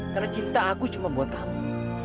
karena cinta aku cuma buat kamu